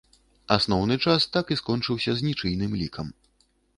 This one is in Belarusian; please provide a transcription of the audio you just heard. Асноўны час так і скончыўся з нічыйным лікам.